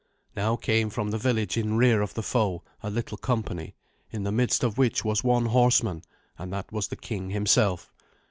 Now came from the village in rear of the foe a little company, in the midst of which was one horseman, and that was the king himself.